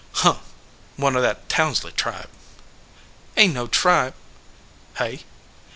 "Huh! one of that Townsley tribe." "Ain t no tribe." "Hey?"